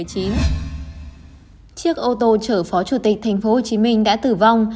chiếc ô tô chở phó chủ tịch tp hcm đã tử vong